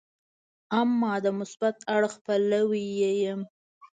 اما د مثبت اړخ پلوی یې یم.